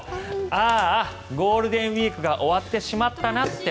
あーあ、ゴールデンウィークが終わってしまったなって